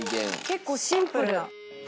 結構シンプル。